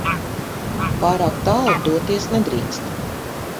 Pārāk tālu doties nedrīkst.